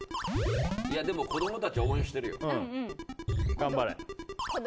子供たちは応援してるよ。